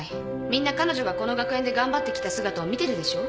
みんな彼女がこの学園で頑張ってきた姿を見てるでしょ。